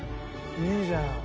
いいじゃん。